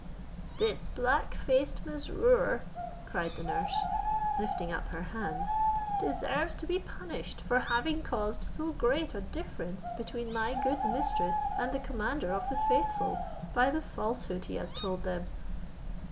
"This black faced Mesrour," cried the nurse, lifting up her hands, "deserves to be punished for having caused so great a difference between my good mistress and the commander of the faithful, by the falsehood he has told them.